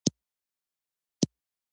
په افغانستان کې د آب وهوا منابع شته.